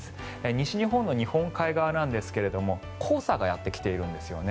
西日本の日本海側なんですが黄砂がやってきているんですね。